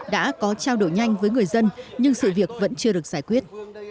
đã có trao đổi nhanh với người dân nhưng sự việc vẫn chưa được giải quyết